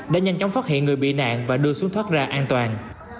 đã nhanh chóng phát hiện người bị nạn và đưa xuống thoát ra an toàn